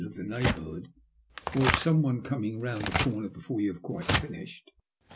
67 of the neighboorhoodi or of someone coining round the corner before you have quite finished.